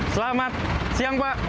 selamat siang pak